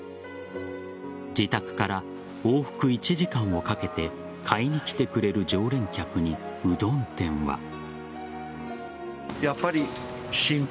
自宅から往復１時間をかけて買いに来てくれる常連客にうどん店は。